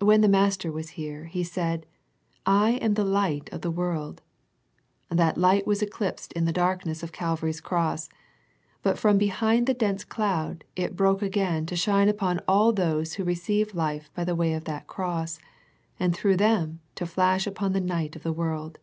When the Master was here He said " I am the Light of the world." That Light was eclipsed in the darkness of Calvary's Cross, but from behind the dense cloud, it broke again to shine upon all those who receive life by the way of that Cross, and through them to flash upon the night of the world.